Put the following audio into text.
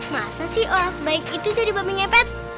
masa sih orang sebaik itu bisa jadi babi ngepet